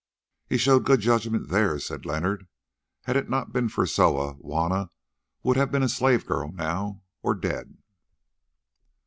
"He showed good judgment there," said Leonard. "Had it not been for Soa, Juanna would have been a slave girl now, or dead."